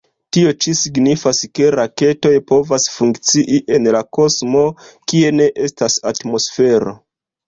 Tio ĉi signifas ke raketoj povas funkcii en la kosmo, kie ne estas atmosfero.